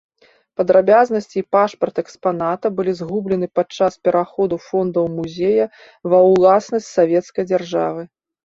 Падрабязнасці і пашпарт экспаната былі згублены падчас пераходу фондаў музея ва ўласнасць савецкай дзяржавы.